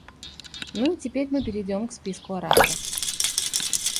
Ну и теперь мы перейдем к списку ораторов.